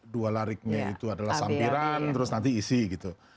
dua lariknya itu adalah sampiran terus nanti isi gitu